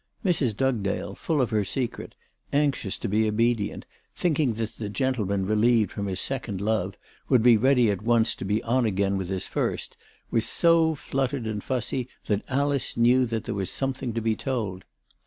Mrs. Dugdale, full of her secret, anxious to be obe dient, thinking that the gentleman relieved from his second love, would be ready at once to be on again with his first, was so fluttered and fussy that Alice knew that there was something to be told.